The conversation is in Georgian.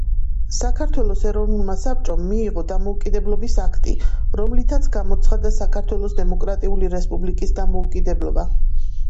საქართველოს ეროვნულმა საბჭომ მიიღო დამოუკიდებლობის აქტი, რომლითაც გამოცხადდა საქართველოს დემოკრატიული რესპუბლიკის დამოუკიდებლობა.